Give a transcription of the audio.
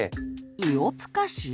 「イオプカシ」？